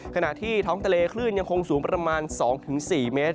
ขณะที่ท้องทะเลคลื่นยังคงสูงประมาณ๒๔เมตร